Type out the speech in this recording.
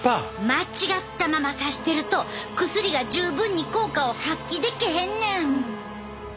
間違ったままさしてると薬が十分に効果を発揮できへんねん！